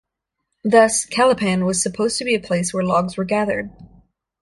Thus "Kalapan" was supposed to be a place where logs were gathered.